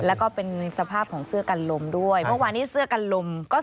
แล้วก็เป็นสภาพของเสื้อกันลมด้วยเมื่อวานนี้เสื้อกันลมก็